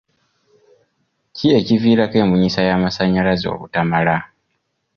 Ki ekiviirako embunyisa y'amasannyalaze obutamala?